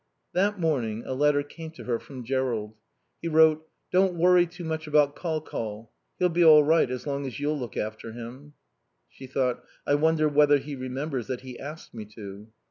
That morning a letter came to her from Jerrold. He wrote: "Don't worry too much about Col Col. He'll be all right as long as you'll look after him." She thought: "I wonder whether he remembers that he asked me to."